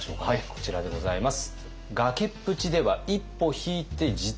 こちらでございます。